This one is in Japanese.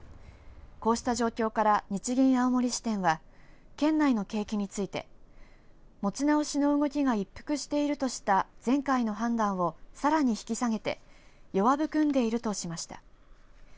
こうした状況から日銀青森支店は県内の景気について持ち直しの動きが一服しているとした前回の判断を、さらに引き下げて弱含んでいるとしました。